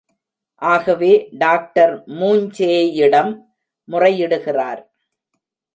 ஆகவே டாக்டர் மூஞ்சேயிடம் முறையிடுகிறார்.